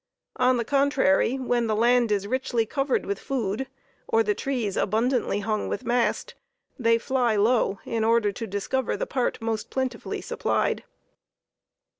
On the contrary, when the land is richly covered with food, or the trees abundantly hung with mast, they fly low, in order to discover the part most plentifully supplied.